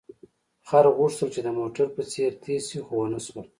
خر غوښتل چې د موټر په څېر تېز شي، خو ونه شول.